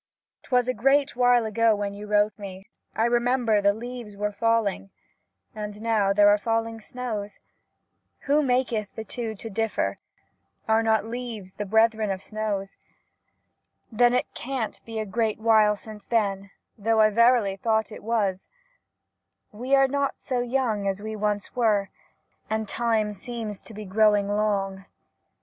'Twas a great while ago when you wrote me, I remember the leaves were falling — and now there are falling snows ; who maketh the two to differ — are not leaves the brethren of snows? Then it can't be a great while since then, though I verily thought it was ; we are not so young as we 52 LETTERS OF EMILY DICKINSON [1851 once were, and time seems to be growing long.